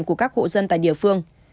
của các hộ dân tại địa phương